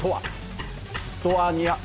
ストアニア。